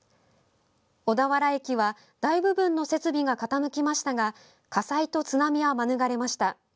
小田原駅は大部分の設備が傾きましたが火災と津波は免れました。